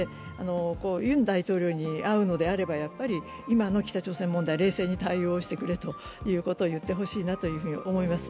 ユン大統領に会うのであれば今の北朝鮮問題冷静に対応してくれということを言ってほしいなと思います。